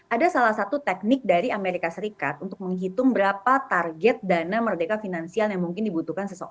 ada salah satu teknik dari amerika serikat untuk menghitung berapa target dana merdeka finansial yang mungkin dibutuhkan